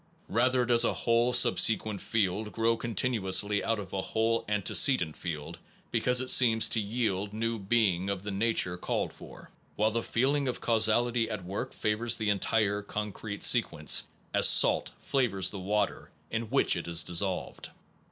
Rather does a whole subsequent field grow continuously out of a whole antecedent field because it seems to yield new being of the nature called for, while the feeling of causality at work flavors the entire concrete sequence as salt flavors the water in which it is dissolved.